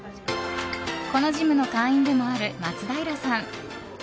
このジムの会員でもある松平さん。